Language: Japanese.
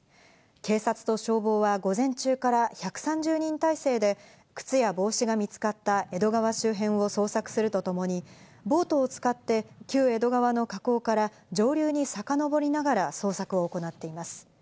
警察と消防は午前中から１３０人態勢で靴や帽子が見つかった江戸川周辺を捜索するとともに、ボートを使って旧江戸川の河口から上流にさかのぼりながら、捜索を行っています。